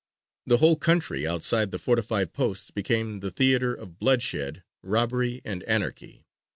The whole country outside the fortified posts became the theatre of bloodshed, robbery, and anarchy.